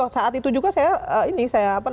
saat itu juga saya